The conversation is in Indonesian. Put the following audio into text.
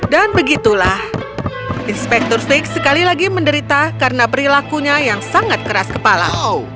begitulah inspektur fix sekali lagi menderita karena perilakunya yang sangat keras kepala